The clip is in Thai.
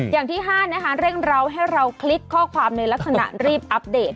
อย่างที่๕นะคะเร่งเราให้เราคลิกข้อความในลักษณะรีบอัปเดต